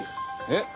えっ？